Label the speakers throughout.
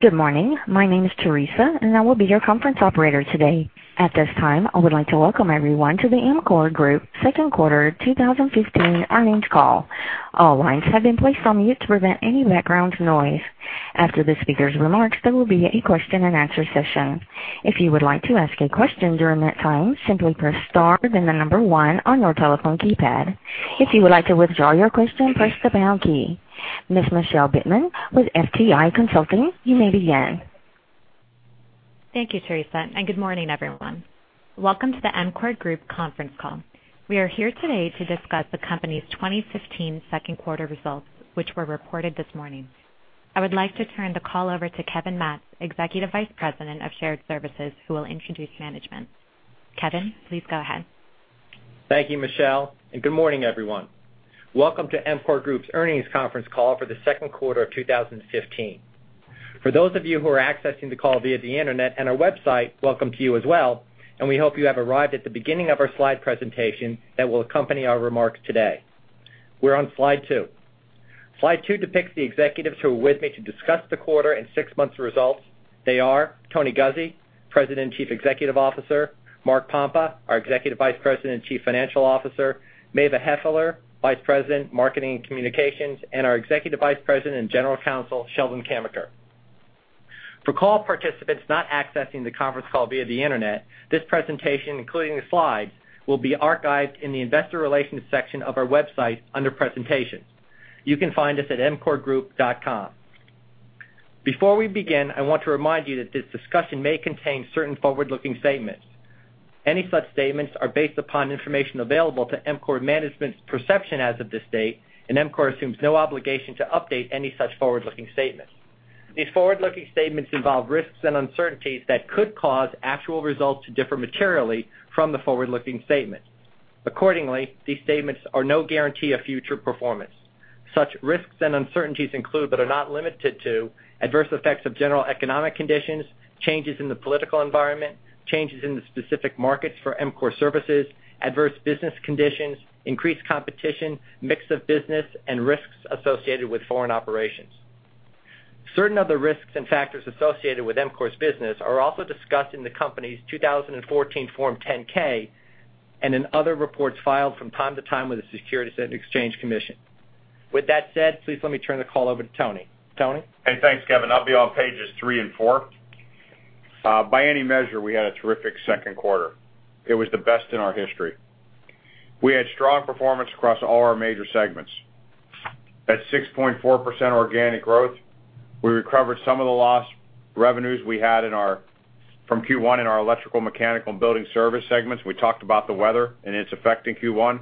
Speaker 1: Good morning. My name is Theresa, and I will be your conference operator today. At this time, I would like to welcome everyone to the EMCOR Group second quarter 2015 earnings call. All lines have been placed on mute to prevent any background noise. After the speaker's remarks, there will be a question and answer session. If you would like to ask a question during that time, simply press star, then the number 1 on your telephone keypad. If you would like to withdraw your question, press the pound key. Ms. Michelle Bitman with FTI Consulting, you may begin.
Speaker 2: Thank you, Theresa. Good morning, everyone. Welcome to the EMCOR Group conference call. We are here today to discuss the company's 2015 second quarter results, which were reported this morning. I would like to turn the call over to Kevin Masse, Executive Vice President of Shared Services, who will introduce management. Kevin, please go ahead.
Speaker 3: Thank you, Michelle. Good morning, everyone. Welcome to EMCOR Group's earnings conference call for the second quarter of 2015. For those of you who are accessing the call via the internet and our website, welcome to you as well. We hope you have arrived at the beginning of our slide presentation that will accompany our remarks today. We're on slide two. Slide two depicts the executives who are with me to discuss the quarter and six months results. They are Tony Guzzi, President and Chief Executive Officer, Mark Pompa, our Executive Vice President and Chief Financial Officer, Mava Heffler, Vice President, Marketing and Communications, and our Executive Vice President and General Counsel, Sheldon Kamins. For call participants not accessing the conference call via the internet, this presentation, including the slides, will be archived in the investor relations section of our website under presentations. You can find us at emcorgroup.com. Before we begin, I want to remind you that this discussion may contain certain forward-looking statements. Any such statements are based upon information available to EMCOR management's perception as of this date. EMCOR assumes no obligation to update any such forward-looking statements. These forward-looking statements involve risks and uncertainties that could cause actual results to differ materially from the forward-looking statements. Accordingly, these statements are no guarantee of future performance. Such risks and uncertainties include, but are not limited to adverse effects of general economic conditions, changes in the political environment, changes in the specific markets for EMCOR services, adverse business conditions, increased competition, mix of business, and risks associated with foreign operations. Certain other risks and factors associated with EMCOR Group's business are also discussed in the company's 2014 Form 10-K and in other reports filed from time to time with the Securities and Exchange Commission. With that said, please let me turn the call over to Tony. Tony?
Speaker 4: Hey, thanks, Kevin. I'll be on pages three and four. By any measure, we had a terrific second quarter. It was the best in our history. We had strong performance across all our major segments. At 6.4% organic growth, we recovered some of the lost revenues we had from Q1 in our Electrical, Mechanical, and Building Services segments. We talked about the weather and its effect in Q1.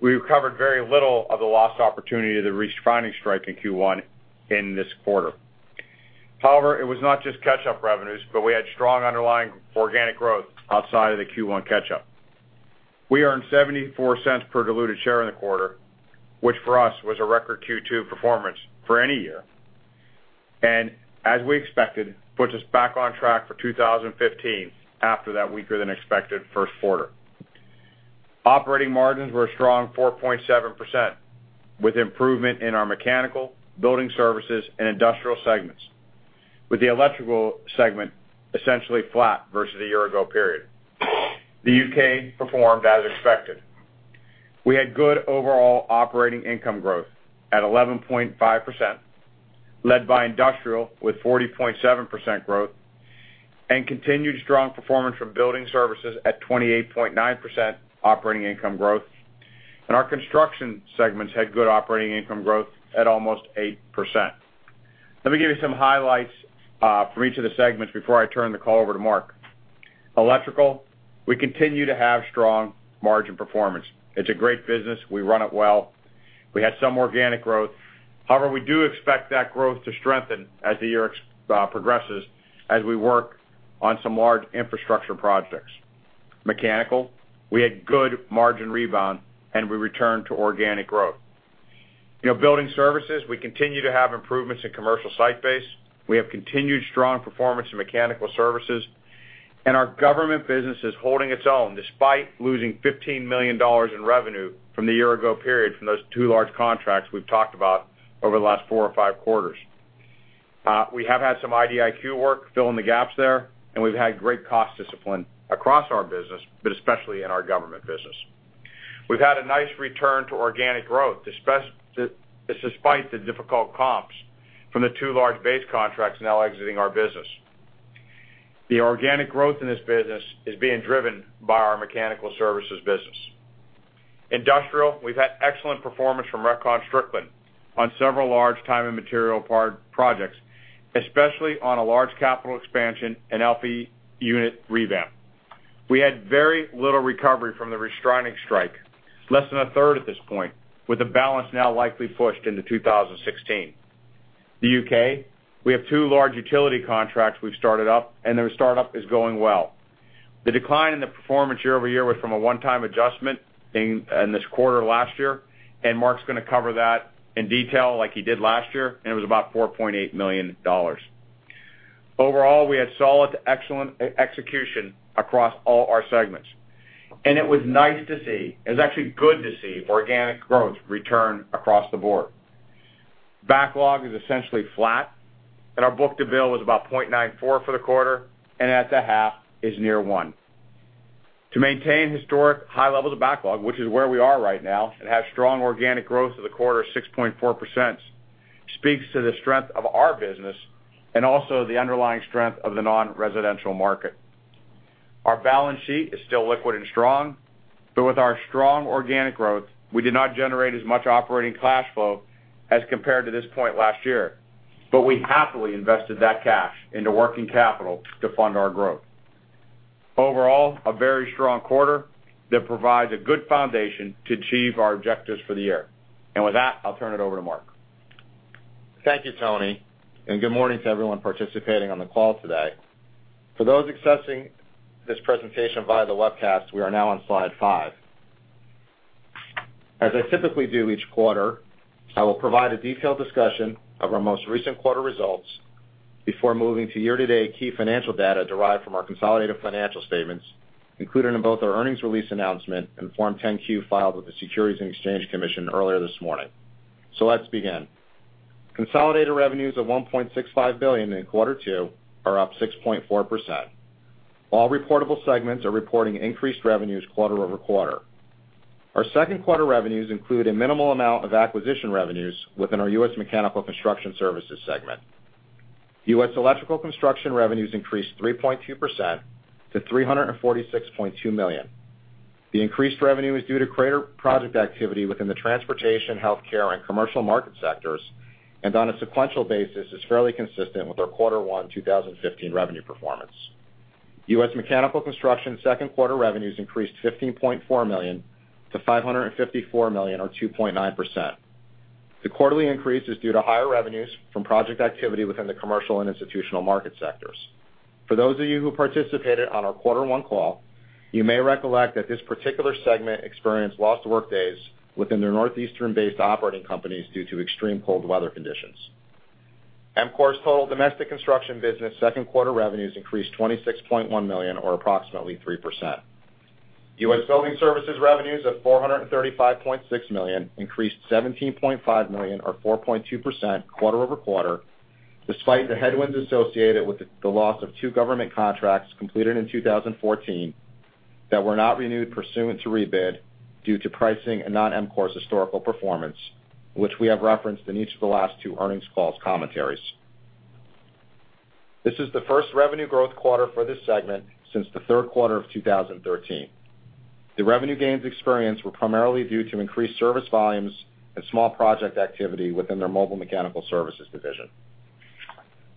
Speaker 4: We recovered very little of the lost opportunity of the refinery strike in Q1 in this quarter. However, it was not just catch-up revenues, but we had strong underlying organic growth outside of the Q1 catch-up. We earned $0.74 per diluted share in the quarter, which for us was a record Q2 performance for any year. As we expected, it puts us back on track for 2015 after that weaker than expected first quarter. Operating margins were a strong 4.7%, with improvement in our Mechanical, Building Services, and Industrial segments. The Electrical segment was essentially flat versus the year ago period. The U.K. performed as expected. We had good overall operating income growth at 11.5%, led by Industrial with 40.7% growth, and continued strong performance from Building Services at 28.9% operating income growth. Our construction segments had good operating income growth at almost 8%. Let me give you some highlights for each of the segments before I turn the call over to Mark. Electrical, we continue to have strong margin performance. It's a great business. We run it well. We had some organic growth. However, we do expect that growth to strengthen as the year progresses as we work on some large infrastructure projects. Mechanical, we had good margin rebound, and we returned to organic growth. Building Services, we continue to have improvements in commercial site base. We have continued strong performance in mechanical services, and our government business is holding its own despite losing $15 million in revenue from the year ago period from those two large contracts we've talked about over the last four or five quarters. We have had some IDIQ work filling the gaps there, and we've had great cost discipline across our business, but especially in our government business. We've had a nice return to organic growth, despite the difficult comps from the two large base contracts now exiting our business. The organic growth in this business is being driven by our mechanical services business. Industrial, we've had excellent performance from Repcon Strickland on several large time and material projects, especially on a large capital expansion and LPG unit revamp. We had very little recovery from the refinery strike, less than a third at this point, with the balance now likely pushed into 2016. The U.K., we have two large utility contracts we've started up, and their startup is going well. The decline in the performance year-over-year was from a one-time adjustment in this quarter last year, and Mark's going to cover that in detail like he did last year, and it was about $4.8 million. Overall, we had solid to excellent execution across all our segments. It was nice to see, it was actually good to see organic growth return across the board. Backlog is essentially flat, and our book-to-bill was about 0.94 for the quarter, and at the half is near 1. To maintain historic high levels of backlog, which is where we are right now, and have strong organic growth of the quarter of 6.4%, speaks to the strength of our business and also the underlying strength of the non-residential market. Our balance sheet is still liquid and strong, but with our strong organic growth, we did not generate as much operating cash flow as compared to this point last year, but we happily invested that cash into working capital to fund our growth. Overall, a very strong quarter that provides a good foundation to achieve our objectives for the year. With that, I'll turn it over to Mark.
Speaker 5: Thank you, Tony, and good morning to everyone participating on the call today. For those accessing this presentation via the webcast, we are now on slide five. As I typically do each quarter, I will provide a detailed discussion of our most recent quarter results before moving to year-to-date key financial data derived from our consolidated financial statements, included in both our earnings release announcement and Form 10-Q filed with the Securities and Exchange Commission earlier this morning. Let's begin. Consolidated revenues of $1.65 billion in quarter 2 are up 6.4%. All reportable segments are reporting increased revenues quarter-over-quarter. Our second quarter revenues include a minimal amount of acquisition revenues within our U.S. Mechanical Construction Services segment. U.S. Electrical Construction revenues increased 3.2% to $346.2 million. The increased revenue is due to greater project activity within the transportation, healthcare, and commercial market sectors, and on a sequential basis is fairly consistent with our quarter 1 2015 revenue performance. U.S. Mechanical Construction second quarter revenues increased $15.4 million to $554 million or 2.9%. The quarterly increase is due to higher revenues from project activity within the commercial and institutional market sectors. For those of you who participated on our quarter 1 call, you may recollect that this particular segment experienced lost workdays within their northeastern-based operating companies due to extreme cold weather conditions. EMCOR's total domestic construction business second quarter revenues increased $26.1 million or approximately 3%. U.S. Building Services revenues of $435.6 million increased $17.5 million or 4.2% quarter-over-quarter, despite the headwinds associated with the loss of two government contracts completed in 2014 that were not renewed pursuant to rebid due to pricing and not EMCOR's historical performance, which we have referenced in each of the last two earnings calls commentaries. This is the first revenue growth quarter for this segment since the third quarter of 2013. The revenue gains experienced were primarily due to increased service volumes and small project activity within their Mobile Mechanical Services division.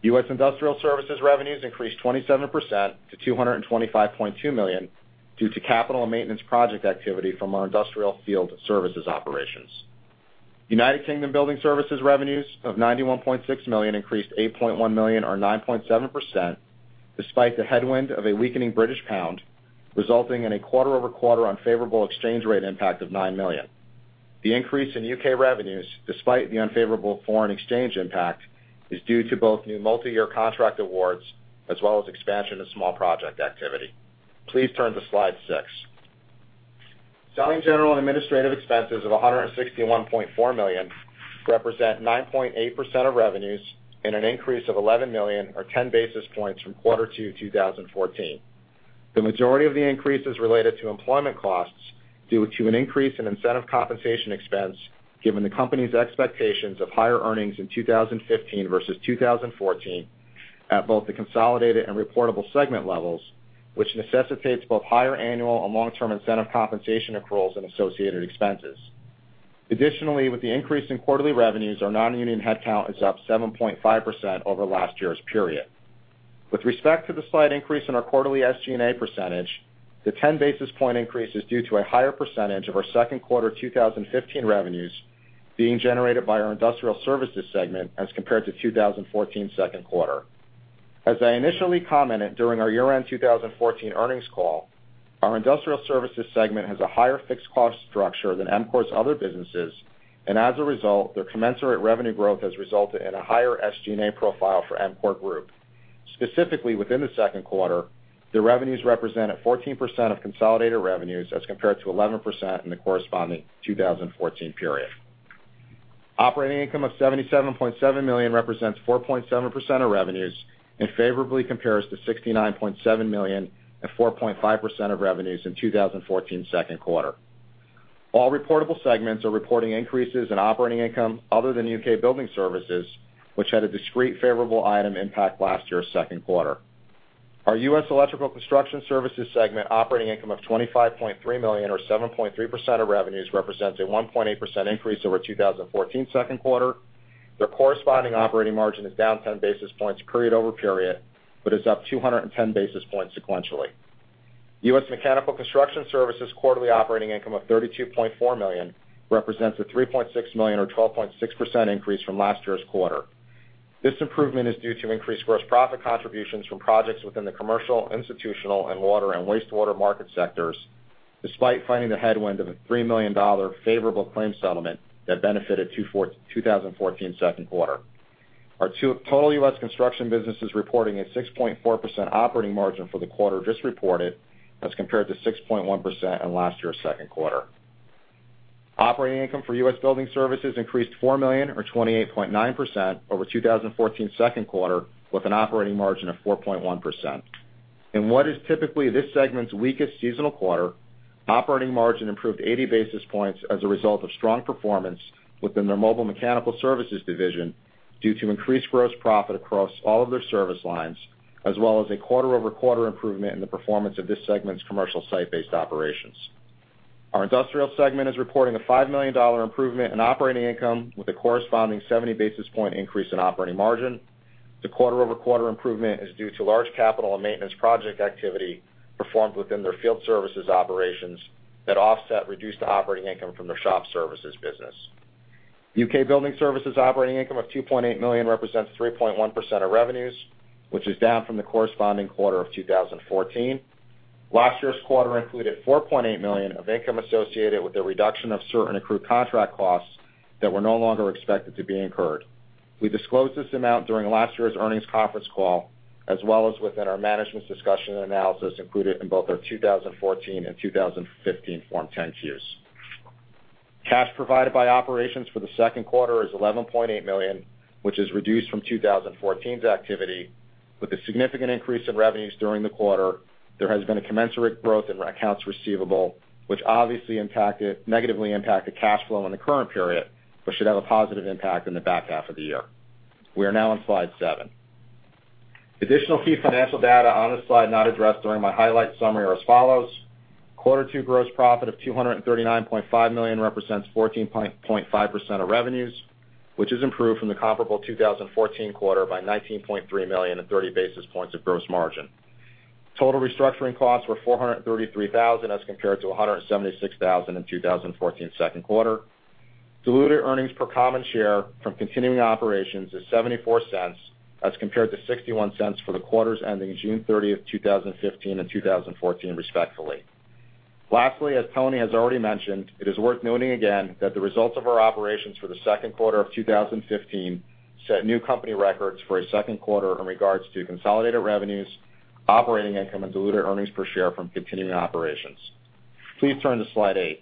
Speaker 5: U.S. Industrial Services revenues increased 27% to $225.2 million due to capital and maintenance project activity from our industrial field services operations. United Kingdom Building Services revenues of $91.6 million increased $8.1 million or 9.7%, despite the headwind of a weakening British pound, resulting in a quarter-over-quarter unfavorable exchange rate impact of $9 million. The increase in U.K. revenues, despite the unfavorable foreign exchange impact, is due to both new multi-year contract awards as well as expansion of small project activity. Please turn to slide six. Selling, General, and Administrative expenses of $161.4 million represent 9.8% of revenues and an increase of $11 million or ten basis points from quarter two 2014. The majority of the increase is related to employment costs due to an increase in incentive compensation expense given the company's expectations of higher earnings in 2015 versus 2014 at both the consolidated and reportable segment levels, which necessitates both higher annual and long-term incentive compensation accruals and associated expenses. Additionally, with the increase in quarterly revenues, our non-union headcount is up 7.5% over last year's period. With respect to the slight increase in our quarterly SG&A percentage, the ten basis point increase is due to a higher percentage of our second quarter 2015 revenues being generated by our Industrial Services segment as compared to 2014 second quarter. As I initially commented during our year-end 2014 earnings call, our Industrial Services segment has a higher fixed cost structure than EMCOR's other businesses, and as a result, their commensurate revenue growth has resulted in a higher SG&A profile for EMCOR Group. Specifically, within the second quarter, the revenues represented 14% of consolidated revenues as compared to 11% in the corresponding 2014 period. Operating income of $77.7 million represents 4.7% of revenues and favorably compares to $69.7 million at 4.5% of revenues in 2014 second quarter. All reportable segments are reporting increases in operating income other than U.K. Building Services, which had a discrete favorable item impact last year's second quarter. Our U.S. Electrical Construction Services segment operating income of $25.3 million or 7.3% of revenues represents a 1.8% increase over 2014 second quarter. Their corresponding operating margin is down ten basis points period-over-period, but is up 210 basis points sequentially. U.S. Mechanical Construction Services quarterly operating income of $32.4 million represents a $3.6 million or 12.6% increase from last year's quarter. This improvement is due to increased gross profit contributions from projects within the commercial, institutional, and water and wastewater market sectors, despite fighting the headwind of a $3 million favorable claim settlement that benefited 2014's second quarter. Our total U.S. construction business is reporting a 6.4% operating margin for the quarter just reported as compared to 6.1% in last year's second quarter. Operating income for U.S. Building Services increased $4 million or 28.9% over 2014's second quarter with an operating margin of 4.1%. In what is typically this segment's weakest seasonal quarter, operating margin improved 80 basis points as a result of strong performance within their Mobile Mechanical Services division due to increased gross profit across all of their service lines, as well as a quarter-over-quarter improvement in the performance of this segment's commercial site-based operations. Our Industrial segment is reporting a $5 million improvement in operating income with a corresponding 70 basis point increase in operating margin. The quarter-over-quarter improvement is due to large capital and maintenance project activity performed within their field services operations that offset reduced operating income from their shop services business. U.K. Building Services operating income of $2.8 million represents 3.1% of revenues, which is down from the corresponding quarter of 2014. Last year's quarter included $4.8 million of income associated with the reduction of certain accrued contract costs that were no longer expected to be incurred. We disclosed this amount during last year's earnings conference call, as well as within our management's discussion and analysis included in both our 2014 and 2015 Form 10-Qs. Cash provided by operations for the second quarter is $11.8 million, which is reduced from 2014's activity. With a significant increase in revenues during the quarter, there has been a commensurate growth in accounts receivable, which obviously negatively impacted cash flow in the current period but should have a positive impact in the back half of the year. We are now on slide seven. Additional key financial data on this slide not addressed during my highlight summary are as follows: Quarter 2 gross profit of $239.5 million represents 14.5% of revenues, which has improved from the comparable 2014 quarter by $19.3 million and 30 basis points of gross margin. Total restructuring costs were $433,000 as compared to $176,000 in 2014's second quarter. Diluted earnings per common share from continuing operations is $0.74 as compared to $0.61 for the quarters ending June 30, 2015 and 2014, respectively. Lastly, as Tony has already mentioned, it is worth noting again that the results of our operations for the second quarter of 2015 set new company records for a second quarter in regards to consolidated revenues, operating income, and diluted earnings per share from continuing operations. Please turn to slide eight.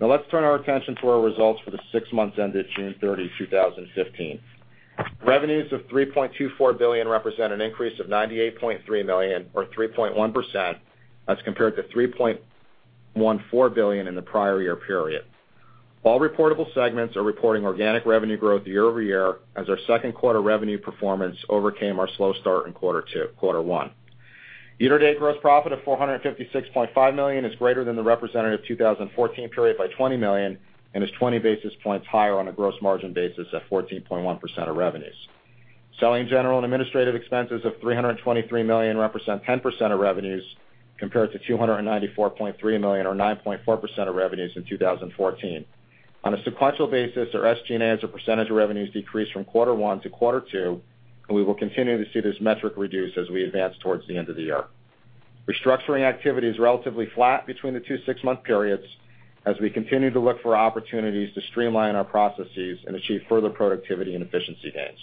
Speaker 5: Now let's turn our attention to our results for the six months ended June 30, 2015. Revenues of $3.24 billion represent an increase of $98.3 million or 3.1% as compared to $3.14 billion in the prior year period. All reportable segments are reporting organic revenue growth year-over-year as our second quarter revenue performance overcame our slow start in Quarter 1. Year-to-date gross profit of $456.5 million is greater than the representative 2014 period by $20 million and is 20 basis points higher on a gross margin basis of 14.1% of revenues. Selling, general and administrative expenses of $323 million represent 10% of revenues compared to $294.3 million or 9.4% of revenues in 2014. On a sequential basis, our SG&A or percentage of revenues decreased from Quarter 1 to Quarter 2, and we will continue to see this metric reduce as we advance towards the end of the year. Restructuring activity is relatively flat between the two six-month periods as we continue to look for opportunities to streamline our processes and achieve further productivity and efficiency gains.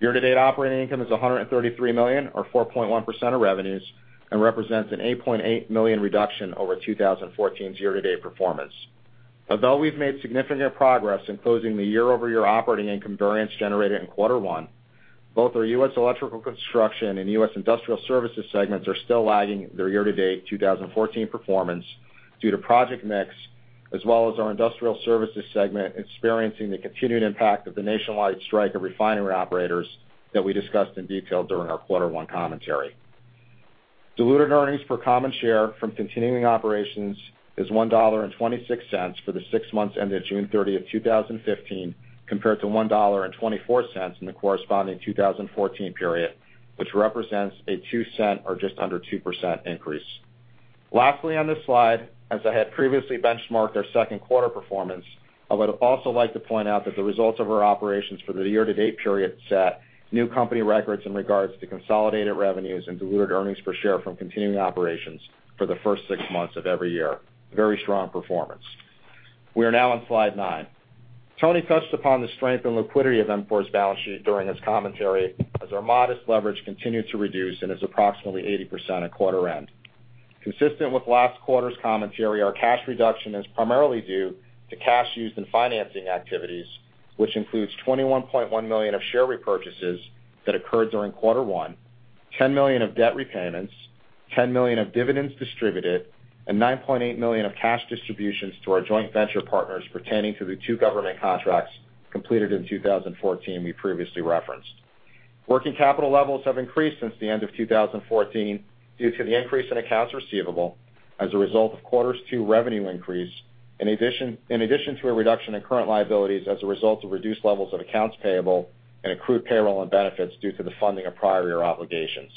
Speaker 5: Year-to-date operating income is $133 million or 4.1% of revenues and represents an $8.8 million reduction over 2014's year-to-date performance. Although we've made significant progress in closing the year-over-year operating income variance generated in quarter one, both our U.S. Electrical Construction and U.S. Industrial Services segments are still lagging their year-to-date 2014 performance due to project mix, as well as our U.S. Industrial Services segment experiencing the continued impact of the nationwide strike of refinery operators that we discussed in detail during our quarter one commentary. Diluted earnings per common share from continuing operations is $1.26 for the six months ended June 30th, 2015, compared to $1.24 in the corresponding 2014 period, which represents a $0.02 or just under 2% increase. Lastly, on this slide, as I had previously benchmarked our second quarter performance, I would also like to point out that the results of our operations for the year-to-date period set new company records in regards to consolidated revenues and diluted earnings per share from continuing operations for the first six months of every year. Very strong performance. We are now on slide nine. Tony touched upon the strength and liquidity of EMCOR's balance sheet during his commentary as our modest leverage continued to reduce and is approximately 80% at quarter end. Consistent with last quarter's commentary, our cash reduction is primarily due to cash used in financing activities, which includes $21.1 million of share repurchases that occurred during quarter one, $10 million of debt repayments, $10 million of dividends distributed, and $9.8 million of cash distributions to our joint venture partners pertaining to the two government contracts completed in 2014 we previously referenced. Working capital levels have increased since the end of 2014 due to the increase in accounts receivable as a result of quarter two's revenue increase in addition to a reduction in current liabilities as a result of reduced levels of accounts payable and accrued payroll and benefits due to the funding of prior year obligations.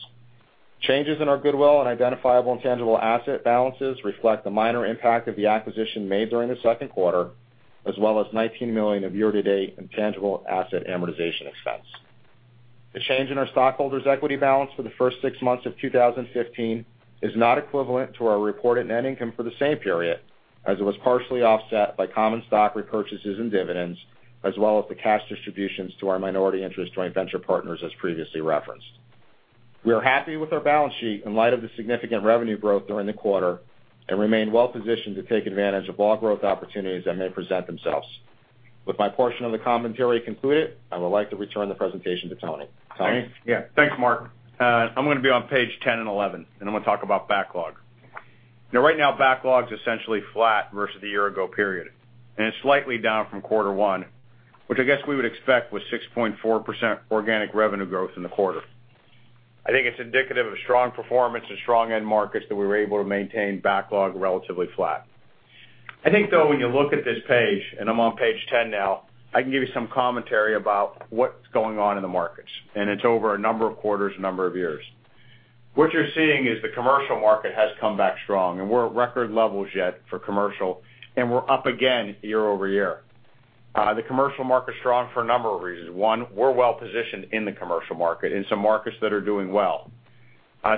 Speaker 5: Changes in our goodwill and identifiable intangible asset balances reflect the minor impact of the acquisition made during the second quarter, as well as $19 million of year-to-date intangible asset amortization expense. The change in our stockholders' equity balance for the first six months of 2015 is not equivalent to our reported net income for the same period, as it was partially offset by common stock repurchases and dividends, as well as the cash distributions to our minority interest joint venture partners, as previously referenced. We are happy with our balance sheet in light of the significant revenue growth during the quarter and remain well-positioned to take advantage of all growth opportunities that may present themselves. With my portion of the commentary concluded, I would like to return the presentation to Tony. Tony?
Speaker 4: Yeah. Thanks, Mark. I'm going to be on page 10 and 11, and I'm going to talk about backlog. Right now, backlog's essentially flat versus the year-ago period, and it's slightly down from quarter one, which I guess we would expect with 6.4% organic revenue growth in the quarter. I think it's indicative of strong performance and strong end markets that we were able to maintain backlog relatively flat. I think, though, when you look at this page, and I'm on page 10 now, I can give you some commentary about what's going on in the markets, and it's over a number of quarters, a number of years. What you're seeing is the commercial market has come back strong, and we're at record levels yet for commercial, and we're up again year-over-year. The commercial market's strong for a number of reasons. One, we're well-positioned in the commercial market, in some markets that are doing well.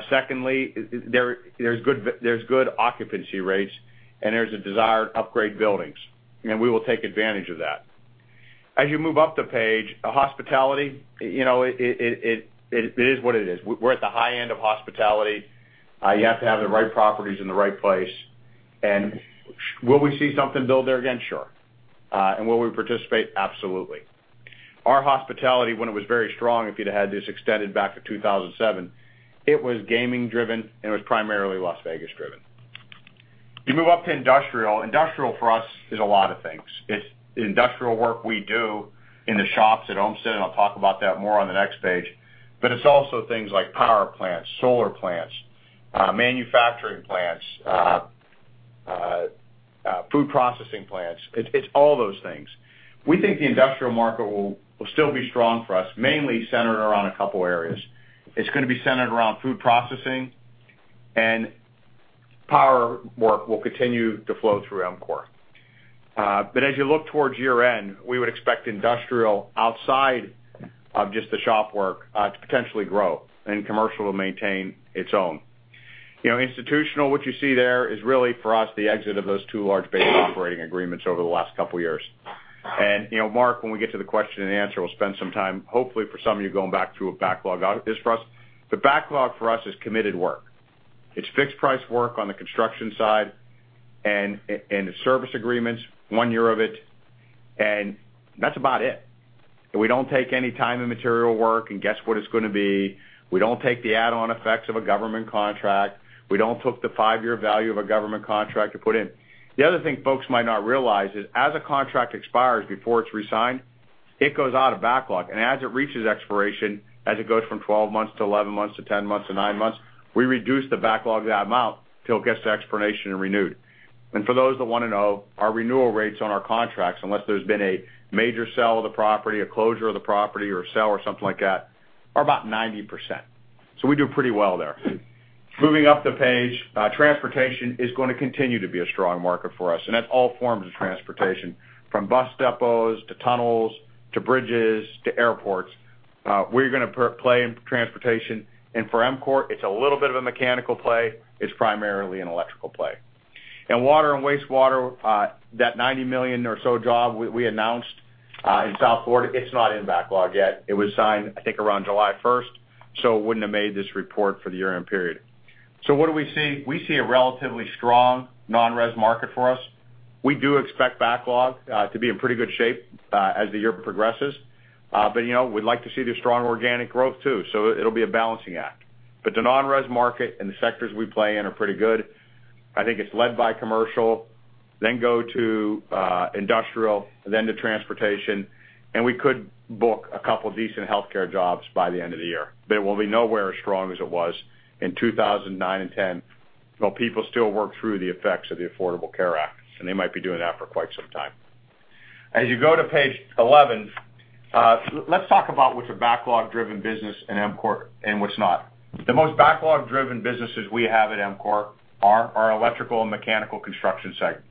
Speaker 4: Secondly, there's good occupancy rates, and there's a desire to upgrade buildings, and we will take advantage of that. As you move up the page, hospitality, it is what it is. We're at the high end of hospitality. You have to have the right properties in the right place. Will we see something build there again? Sure. Will we participate? Absolutely. Our hospitality, when it was very strong, if you'd have had this extended back to 2007, it was gaming driven, and it was primarily Las Vegas driven. You move up to industrial. Industrial for us is a lot of things. It's the industrial work we do in the shops at Olmsted, and I'll talk about that more on the next page, but it's also things like power plants, solar plants, manufacturing plants, food processing plants. It's all those things. We think the industrial market will still be strong for us, mainly centered around a couple areas. It's going to be centered around food processing and power work will continue to flow through EMCOR. As you look towards year-end, we would expect industrial outside of just the shop work to potentially grow and commercial to maintain its own. Institutional, what you see there is really, for us, the exit of those two large base operating agreements over the last couple years. Mark, when we get to the question and answer, we'll spend some time, hopefully for some of you, going back to what backlog is for us. The backlog for us is committed work. It's fixed price work on the construction side and the service agreements, one year of it, and that's about it. We don't take any time and material work and guess what it's going to be. We don't take the add-on effects of a government contract. We don't put the five-year value of a government contract to put in. The other thing folks might not realize is as a contract expires before it's resigned, it goes out of backlog. As it reaches expiration, as it goes from 12 months to 11 months to 10 months to 9 months, we reduce the backlog that amount till it gets to expiration and renewed. For those that want to know, our renewal rates on our contracts, unless there's been a major sale of the property, a closure of the property or a sale or something like that, are about 90%. We do pretty well there. Moving up the page, transportation is going to continue to be a strong market for us, and that's all forms of transportation, from bus depots to tunnels, to bridges to airports. We're going to play in transportation. For EMCOR, it's a little bit of a mechanical play. It's primarily an electrical play. In water and wastewater, that $90 million or so job we announced in South Florida, it's not in backlog yet. It was signed, I think, around July 1st, so it wouldn't have made this report for the year-end period. What do we see? We see a relatively strong non-res market for us. We do expect backlog to be in pretty good shape as the year progresses. We'd like to see the strong organic growth too. It'll be a balancing act. The non-res market and the sectors we play in are pretty good. I think it's led by commercial, then go to industrial, then to transportation, and we could book a couple decent healthcare jobs by the end of the year. It will be nowhere as strong as it was in 2009 and 2010, while people still work through the effects of the Affordable Care Act, and they might be doing that for quite some time. As you go to page 11, let's talk about what's a backlog-driven business in EMCOR and what's not. The most backlog-driven businesses we have at EMCOR are our electrical and mechanical construction segments.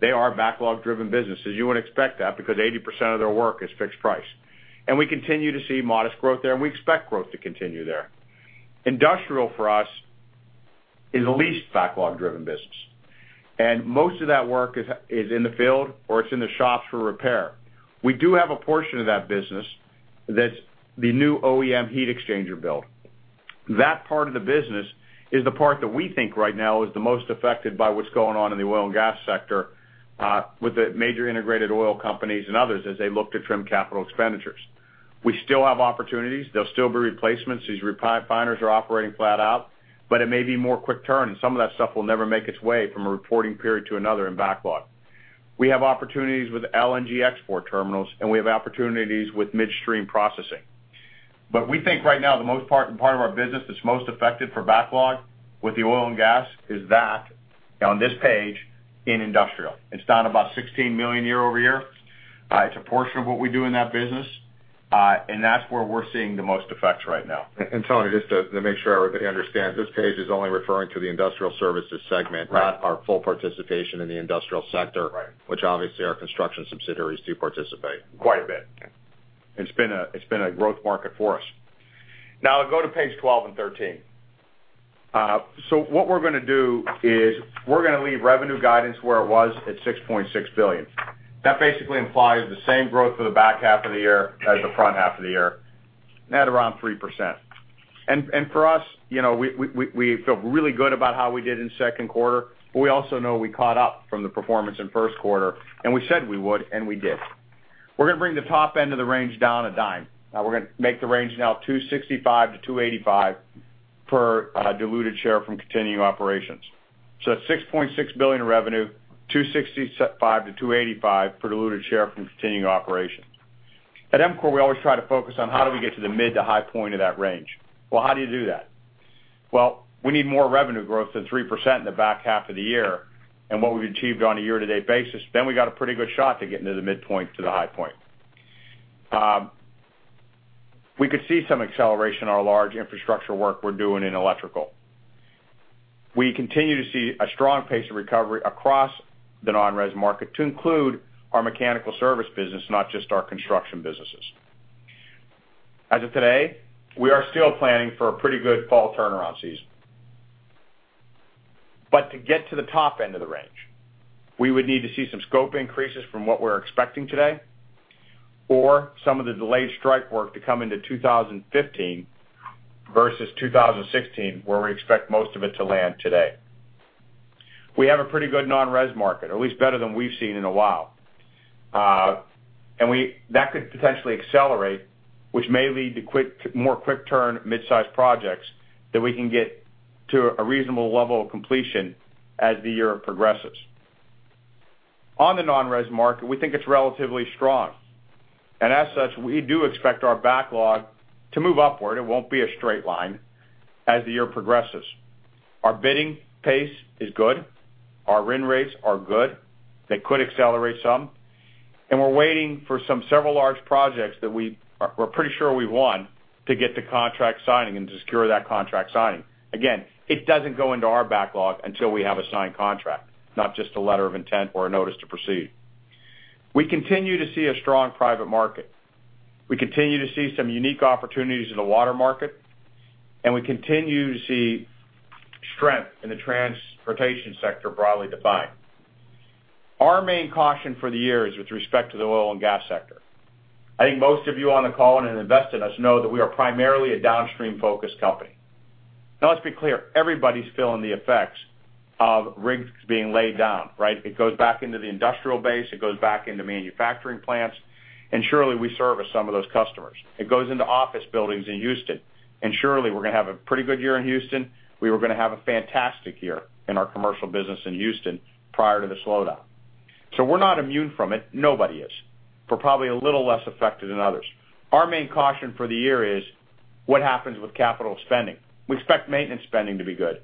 Speaker 4: They are backlog-driven businesses. You would expect that because 80% of their work is fixed price. We continue to see modest growth there, and we expect growth to continue there. Industrial, for us, is the least backlog-driven business, and most of that work is in the field, or it's in the shops for repair. We do have a portion of that business that's the new OEM heat exchanger build. That part of the business is the part that we think right now is the most affected by what's going on in the oil and gas sector with the major integrated oil companies and others as they look to trim capital expenditures. We still have opportunities. There'll still be replacements. These refiners are operating flat out, but it may be more quick turn, and some of that stuff will never make its way from a reporting period to another in backlog. We have opportunities with LNG export terminals, and we have opportunities with midstream processing. We think right now, the part of our business that's most affected for backlog with the oil and gas is that on this page in industrial. It's down about $16 million year-over-year. It's a portion of what we do in that business, and that's where we're seeing the most effects right now.
Speaker 5: Tony, just to make sure everybody understands, this page is only referring to the U.S. Industrial Services segment.
Speaker 4: Right
Speaker 5: not our full participation in the industrial sector.
Speaker 4: Right
Speaker 5: which obviously our construction subsidiaries do participate.
Speaker 4: Quite a bit.
Speaker 5: Yeah.
Speaker 4: It's been a growth market for us. Go to page 12 and 13. What we're going to do is we're going to leave revenue guidance where it was at $6.6 billion. That basically implies the same growth for the back half of the year as the front half of the year at around 3%. For us, we feel really good about how we did in the second quarter, but we also know we caught up from the performance in the first quarter, and we said we would, and we did. We're going to bring the top end of the range down $0.10. We're going to make the range now $265-$285 per diluted share from continuing operations. That's $6.6 billion in revenue, $265-$285 per diluted share from continuing operations. At EMCOR, we always try to focus on how do we get to the mid to high point of that range. Well, how do you do that? Well, we need more revenue growth than 3% in the back half of the year and what we've achieved on a year-to-date basis, then we've got a pretty good shot to get into the midpoint to the high point. We could see some acceleration in our large infrastructure work we're doing in electrical. We continue to see a strong pace of recovery across the non-res market to include our mechanical service business, not just our construction businesses. As of today, we are still planning for a pretty good fall turnaround season. To get to the top end of the range, we would need to see some scope increases from what we're expecting today or some of the delayed strike work to come into 2015 versus 2016, where we expect most of it to land today. We have a pretty good non-res market, at least better than we've seen in a while. That could potentially accelerate, which may lead to more quick-turn mid-size projects that we can get to a reasonable level of completion as the year progresses. On the non-res market, we think it's relatively strong. As such, we do expect our backlog to move upward, it won't be a straight line as the year progresses. Our bidding pace is good. Our win rates are good. They could accelerate some. We're waiting for some several large projects that we're pretty sure we won to get the contract signing and to secure that contract signing. Again, it doesn't go into our backlog until we have a signed contract, not just a letter of intent or a notice to proceed. We continue to see a strong private market. We continue to see some unique opportunities in the water market, and we continue to see strength in the transportation sector, broadly defined. Our main caution for the year is with respect to the oil and gas sector. I think most of you on the call and invest in us know that we are primarily a downstream-focused company. Let's be clear. Everybody's feeling the effects of rigs being laid down, right? It goes back into the industrial base, it goes back into manufacturing plants, and surely we service some of those customers. It goes into office buildings in Houston. Surely we're going to have a pretty good year in Houston. We were going to have a fantastic year in our commercial business in Houston prior to the slowdown. We're not immune from it. Nobody is. We're probably a little less affected than others. Our main caution for the year is what happens with capital spending. We expect maintenance spending to be good.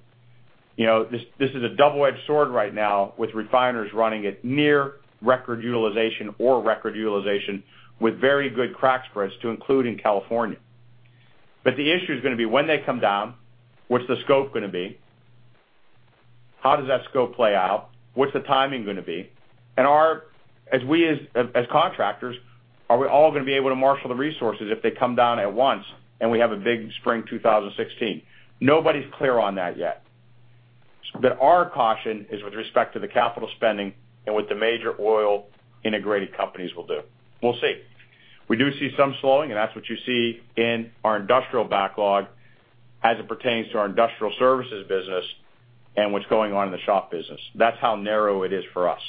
Speaker 4: This is a double-edged sword right now with refiners running at near record utilization or record utilization with very good crack spreads to include in California. The issue is going to be when they come down, what's the scope going to be? How does that scope play out? What's the timing going to be? As contractors, are we all going to be able to marshal the resources if they come down at once and we have a big spring 2016? Nobody's clear on that yet. Our caution is with respect to the capital spending and what the major oil integrated companies will do. We'll see. We do see some slowing, and that's what you see in our industrial backlog as it pertains to our U.S. Industrial Services business and what's going on in the shop business. That's how narrow it is for us.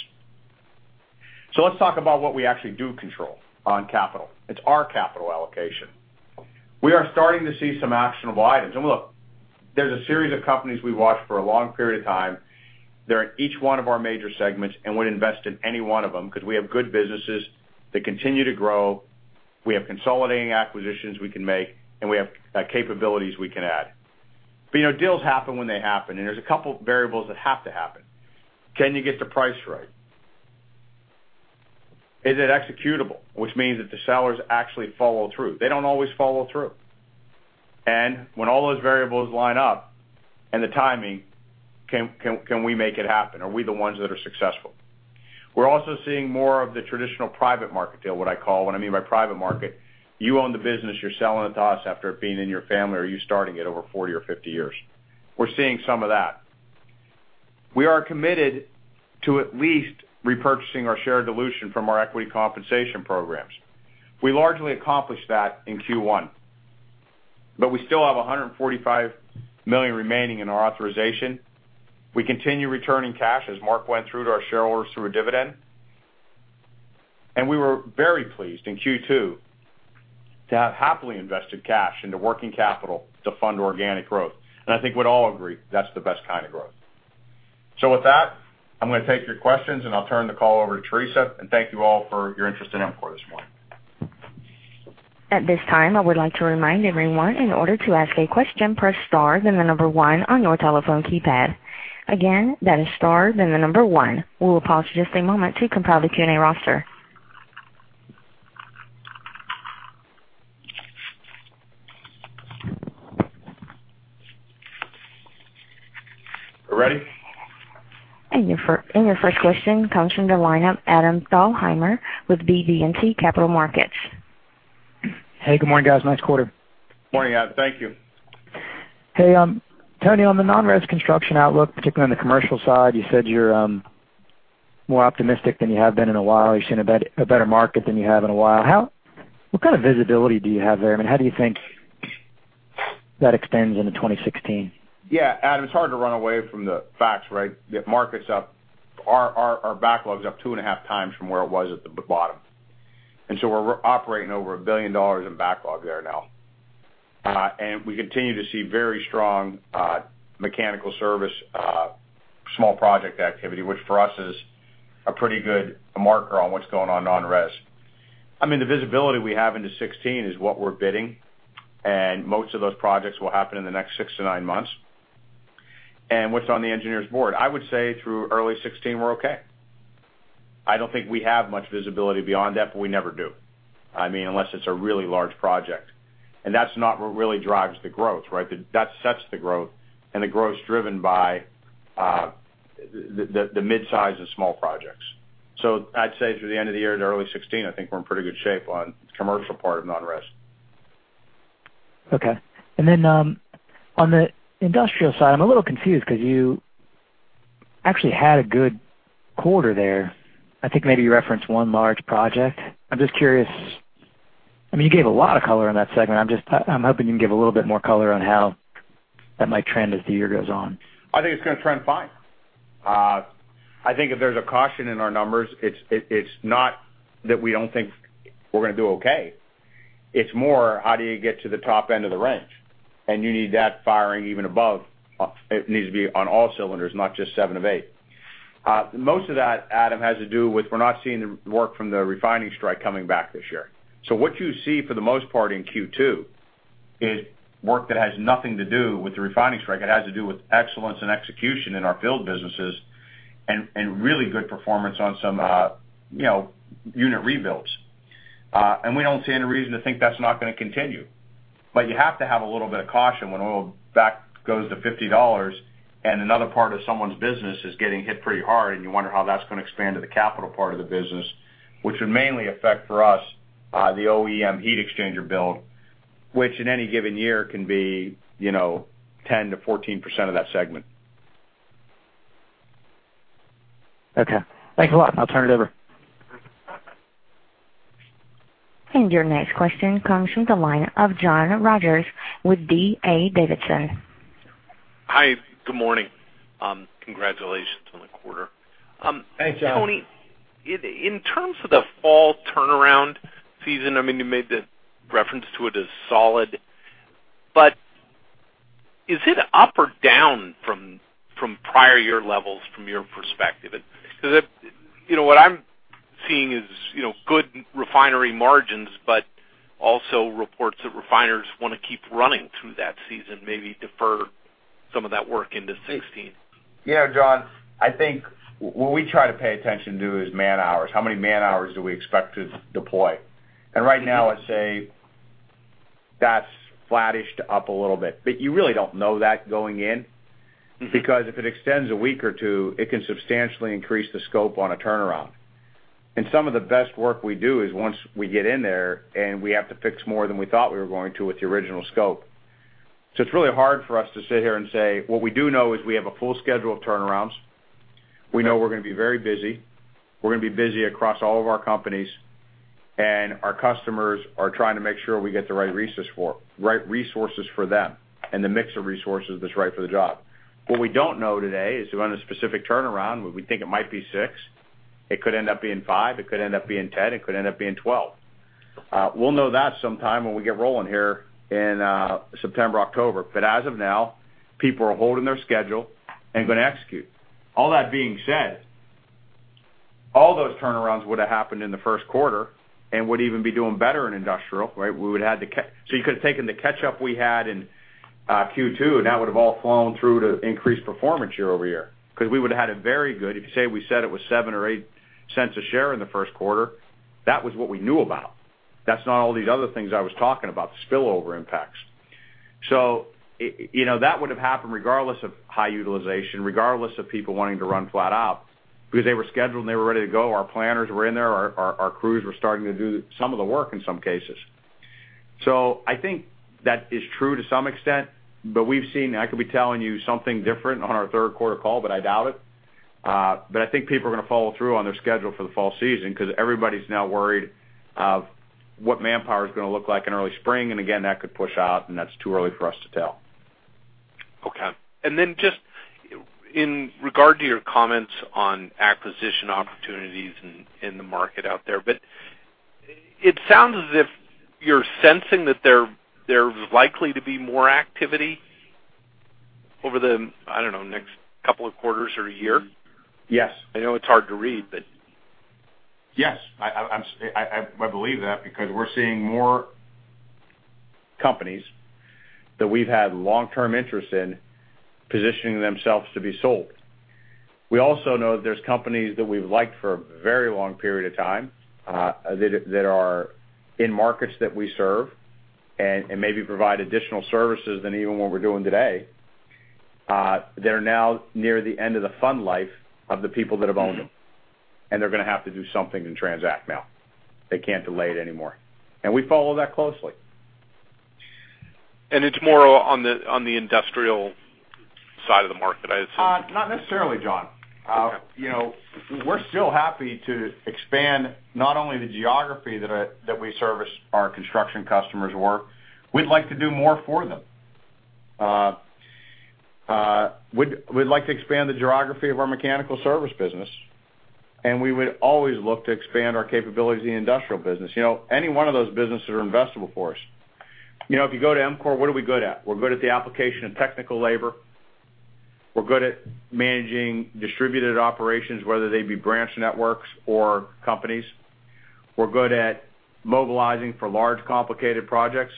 Speaker 4: Let's talk about what we actually do control on capital. It's our capital allocation. We are starting to see some actionable items. Look, there's a series of companies we've watched for a long period of time. They're in each one of our major segments and would invest in any one of them because we have good businesses that continue to grow. We have consolidating acquisitions we can make, and we have capabilities we can add. Deals happen when they happen, and there's a couple of variables that have to happen. Can you get the price right? Is it executable? Which means that the sellers actually follow through. They don't always follow through. When all those variables line up and the timing, can we make it happen? Are we the ones that are successful? We're also seeing more of the traditional private market deal, what I call. What I mean by private market, you own the business, you're selling it to us after it being in your family, or you starting it over 40 or 50 years. We're seeing some of that. We are committed to at least repurchasing our share dilution from our equity compensation programs. We largely accomplished that in Q1. We still have $145 million remaining in our authorization. We continue returning cash, as Mark went through, to our shareholders through a dividend. We were very pleased in Q2 to have happily invested cash into working capital to fund organic growth. I think we'd all agree that's the best kind of growth. With that, I'm going to take your questions, and I'll turn the call over to Theresa, and thank you all for your interest in EMCOR this morning.
Speaker 1: At this time, I would like to remind everyone in order to ask a question, press star, then the number 1 on your telephone keypad. Again, that is star, then the number 1. We will pause for just a moment to compile the Q&A roster.
Speaker 4: We're ready?
Speaker 1: Your first question comes from the line of Adam Thalhimer with BB&T Capital Markets.
Speaker 6: Hey, good morning, guys. Nice quarter.
Speaker 4: Morning, Adam. Thank you.
Speaker 6: Hey, Tony, on the non-res construction outlook, particularly on the commercial side, you said you're more optimistic than you have been in a while. You're seeing a better market than you have in a while. What kind of visibility do you have there? How do you think that extends into 2016?
Speaker 4: Yeah, Adam, it's hard to run away from the facts, right? The market's up. Our backlog's up two and a half times from where it was at the bottom. So we're operating over $1 billion in backlog there now. We continue to see very strong mechanical service, small project activity, which for us is a pretty good marker on what's going on non-res. The visibility we have into 2016 is what we're bidding, and most of those projects will happen in the next six to nine months. What's on the engineer's board? I would say through early 2016, we're okay. I don't think we have much visibility beyond that, but we never do. Unless it's a really large project. That's not what really drives the growth, right? That sets the growth, and the growth is driven by the mid-size and small projects. I'd say through the end of the year to early 2016, I think we're in pretty good shape on the commercial part of non-res.
Speaker 6: Okay. On the industrial side, I'm a little confused because you actually had a good quarter there. I think maybe you referenced one large project. I'm just curious. You gave a lot of color in that segment. I'm hoping you can give a little bit more color on how that might trend as the year goes on.
Speaker 4: I think it's going to trend fine. I think if there's a caution in our numbers, it's not that we don't think we're going to do okay. It's more, how do you get to the top end of the range? You need that firing even above. It needs to be on all cylinders, not just seven of eight. Most of that, Adam, has to do with we're not seeing the work from the refining strike coming back this year. What you see for the most part in Q2 is work that has nothing to do with the refining strike. It has to do with excellence and execution in our field businesses and really good performance on some unit rebuilds. We don't see any reason to think that's not going to continue. You have to have a little bit of caution when oil back goes to $50 and another part of someone's business is getting hit pretty hard, and you wonder how that's going to expand to the capital part of the business, which would mainly affect for us, the OEM heat exchanger build, which in any given year can be 10%-14% of that segment.
Speaker 6: Okay. Thanks a lot. I'll turn it over.
Speaker 1: Your next question comes from the line of John Rogers with D.A. Davidson.
Speaker 7: Hi. Good morning. Congratulations on the quarter.
Speaker 4: Thanks, John.
Speaker 7: Tony, in terms of the fall turnaround season, you made the reference to it as solid, but is it up or down from prior year levels from your perspective? Because what I'm seeing is good refinery margins, but also reports that refiners want to keep running through that season, maybe defer some of that work into 2016.
Speaker 4: Yeah, John, I think what we try to pay attention to is man-hours, how many man-hours do we expect to deploy. Right now, I'd say that's flattish to up a little bit. You really don't know that going in because if it extends a week or two, it can substantially increase the scope on a turnaround. Some of the best work we do is once we get in there and we have to fix more than we thought we were going to with the original scope. It's really hard for us to sit here and say. What we do know is we have a full schedule of turnarounds. We know we're going to be very busy. We're going to be busy across all of our companies, and our customers are trying to make sure we get the right resources for them and the mix of resources that's right for the job. What we don't know today is we're on a specific turnaround, we think it might be six. It could end up being five, it could end up being 10, it could end up being 12. We'll know that sometime when we get rolling here in September, October. As of now, people are holding their schedule and going to execute. All that being said, all those turnarounds would have happened in the first quarter and would even be doing better in industrial, right? You could have taken the catch-up we had in Q2, and that would have all flown through to increased performance year-over-year because we would have had a very good, if you say we said it was $0.07 or $0.08 a share in the first quarter, that was what we knew about. That's not all these other things I was talking about, the spillover impacts. That would have happened regardless of high utilization, regardless of people wanting to run flat out because they were scheduled, and they were ready to go. Our planners were in there. Our crews were starting to do some of the work in some cases. I think that is true to some extent, but we've seen. I could be telling you something different on our third quarter call, but I doubt it. I think people are going to follow through on their schedule for the fall season because everybody's now worried of what manpower is going to look like in early spring, and again, that could push out, and that's too early for us to tell.
Speaker 7: Okay. Just in regard to your comments on acquisition opportunities in the market out there, but it sounds as if you're sensing that there's likely to be more activity over the, I don't know, next couple of quarters or a year.
Speaker 4: Yes.
Speaker 7: I know it's hard to read.
Speaker 4: Yes, I believe that because we're seeing more companies that we've had long-term interest in positioning themselves to be sold. We also know that there's companies that we've liked for a very long period of time, that are in markets that we serve maybe provide additional services than even what we're doing today, that are now near the end of the fund life of the people that have owned them, and they're going to have to do something to transact now. They can't delay it anymore. We follow that closely.
Speaker 7: It's more on the industrial side of the market, I assume?
Speaker 4: Not necessarily, John.
Speaker 7: Okay.
Speaker 4: We're still happy to expand not only the geography that we service our construction customers work. We'd like to do more for them. We'd like to expand the geography of our mechanical service business, and we would always look to expand our capabilities in the industrial business. Any one of those businesses are investable for us. If you go to EMCOR, what are we good at? We're good at the application of technical labor. We're good at managing distributed operations, whether they be branch networks or companies. We're good at mobilizing for large, complicated projects.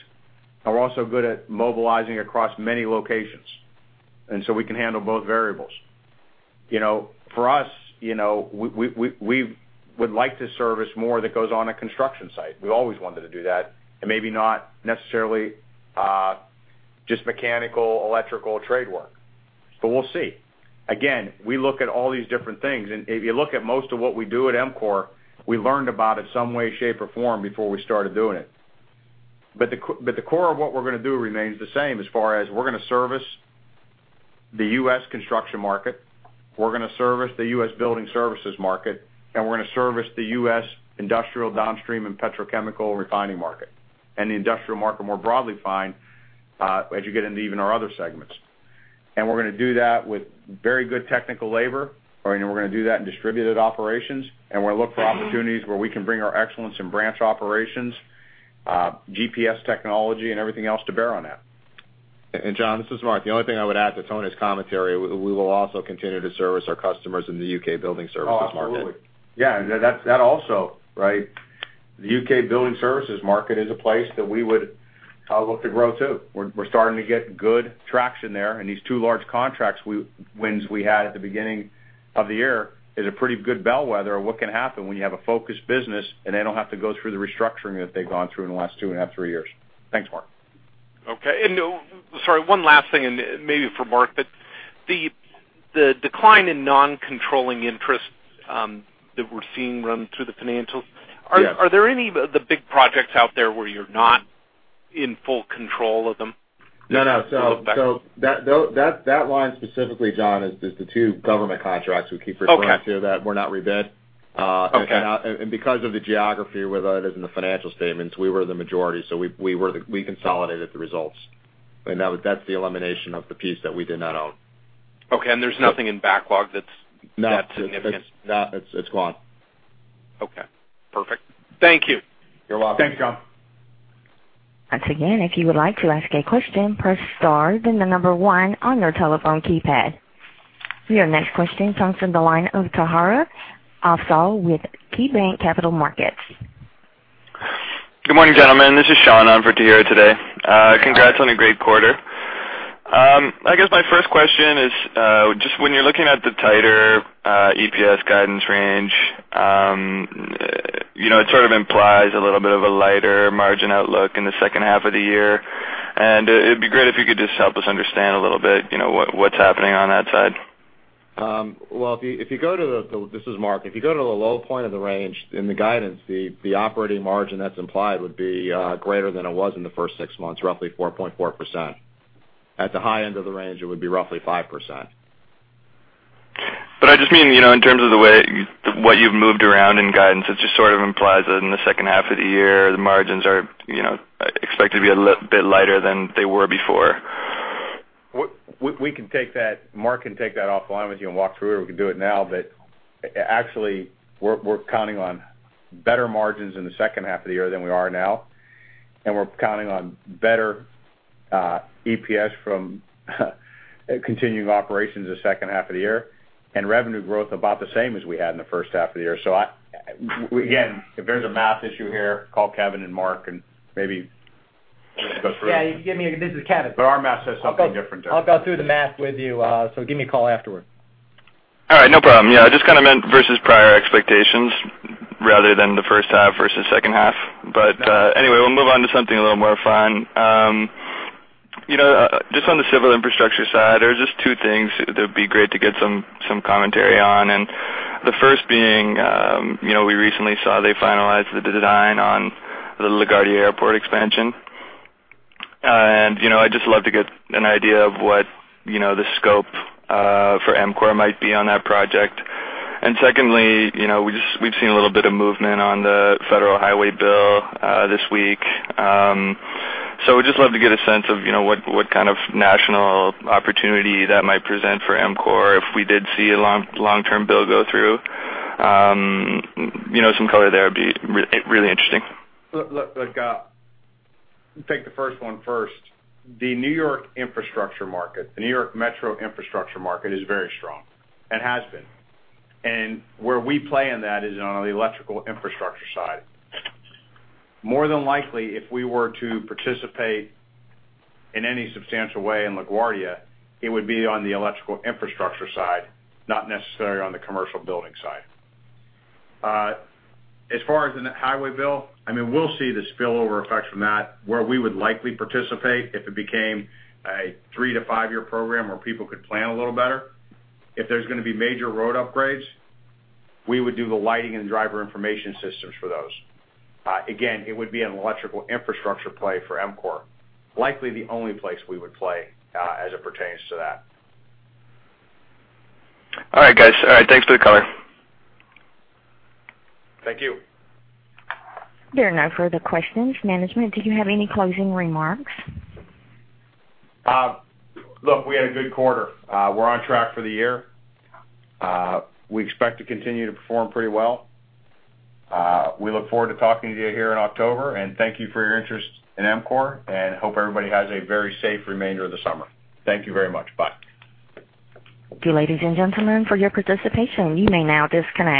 Speaker 4: We're also good at mobilizing across many locations. We can handle both variables. For us, we would like to service more that goes on a construction site. We always wanted to do that, and maybe not necessarily just mechanical, electrical trade work. We'll see. Again, we look at all these different things, and if you look at most of what we do at EMCOR, we learned about it some way, shape, or form before we started doing it. The core of what we're going to do remains the same as far as we're going to service the U.S. construction market, we're going to service the U.S. Building Services market, and we're going to service the U.S. industrial downstream and petrochemical refining market, and the industrial market more broadly defined, as you get into even our other segments. And we're going to do that with very good technical labor, and we're going to do that in distributed operations, and we'll look for opportunities where we can bring our excellence in branch operations, GPS technology, and everything else to bear on that.
Speaker 5: John, this is Mark. The only thing I would add to Tony's commentary, we will also continue to service our customers in the U.K. Building Services market.
Speaker 4: Oh, absolutely. Yeah, that also, right? The U.K. Building Services market is a place that we would look to grow, too. We're starting to get good traction there, and these two large contracts wins we had at the beginning of the year is a pretty good bellwether of what can happen when you have a focused business and they don't have to go through the restructuring that they've gone through in the last two and a half, three years. Thanks, Mark.
Speaker 7: Okay. Sorry, one last thing, and maybe for Mark, The decline in non-controlling interests that we're seeing run through the financials.
Speaker 5: Yes.
Speaker 7: Are there any of the big projects out there where you're not in full control of them?
Speaker 5: No. That line specifically, John, is the two government contracts we keep referring to.
Speaker 7: Okay
Speaker 5: that were not rebid.
Speaker 7: Okay.
Speaker 5: Because of the geography with others in the financial statements, we were the majority, so we consolidated the results. That's the elimination of the piece that we did not own.
Speaker 7: Okay, there's nothing in backlog that's.
Speaker 5: No
Speaker 7: That significant?
Speaker 5: No, it's gone.
Speaker 7: Okay, perfect. Thank you.
Speaker 5: You're welcome.
Speaker 4: Thanks, John.
Speaker 1: Once again, if you would like to ask a question, press star then the number 1 on your telephone keypad. Your next question comes from the line of Tahira Afzal with KeyBanc Capital Markets.
Speaker 8: Good morning, gentlemen. This is Sean on for Tahira today.
Speaker 4: Hi.
Speaker 8: Congrats on a great quarter. I guess my first question is, just when you're looking at the tighter EPS guidance range, it sort of implies a little bit of a lighter margin outlook in the second half of the year. It'd be great if you could just help us understand a little bit what's happening on that side.
Speaker 5: Well, this is Mark. If you go to the low point of the range in the guidance, the operating margin that's implied would be greater than it was in the first six months, roughly 4.4%. At the high end of the range, it would be roughly 5%.
Speaker 8: I just mean, in terms of what you've moved around in guidance, it just sort of implies that in the second half of the year, the margins are expected to be a bit lighter than they were before.
Speaker 4: Mark can take that offline with you and walk through it, or we can do it now, but actually, we're counting on better margins in the second half of the year than we are now. We're counting on better EPS from continuing operations the second half of the year, and revenue growth about the same as we had in the first half of the year. Again, if there's a math issue here, call Kevin and Mark and maybe go through it. Yeah, this is Kevin. Our math says something different there. I'll go through the math with you. Give me a call afterward.
Speaker 8: All right, no problem. Yeah, I just kind of meant versus prior expectations rather than the first half versus second half. Anyway, we'll move on to something a little more fun. Just on the civil infrastructure side, there are just two things that'd be great to get some commentary on. The first being, we recently saw they finalized the design on the LaGuardia Airport expansion. I'd just love to get an idea of what the scope for EMCOR might be on that project. Secondly, we've seen a little bit of movement on the Federal Highway bill this week. We'd just love to get a sense of what kind of national opportunity that might present for EMCOR if we did see a long-term bill go through. Some color there would be really interesting.
Speaker 4: Look, take the first one first. The New York infrastructure market, the New York Metro infrastructure market is very strong and has been. Where we play in that is on the electrical infrastructure side. More than likely, if we were to participate in any substantial way in LaGuardia, it would be on the electrical infrastructure side, not necessarily on the commercial building side. As far as in the highway bill, we'll see the spillover effects from that, where we would likely participate if it became a three to five-year program where people could plan a little better. If there's going to be major road upgrades, we would do the lighting and driver information systems for those. Again, it would be an electrical infrastructure play for EMCOR, likely the only place we would play as it pertains to that.
Speaker 8: All right, guys. All right, thanks for the color.
Speaker 4: Thank you.
Speaker 1: There are no further questions. Management, do you have any closing remarks?
Speaker 4: Look, we had a good quarter. We're on track for the year. We expect to continue to perform pretty well. We look forward to talking to you here in October, and thank you for your interest in EMCOR, and hope everybody has a very safe remainder of the summer. Thank you very much. Bye.
Speaker 1: Thank you, ladies and gentlemen, for your participation. You may now disconnect.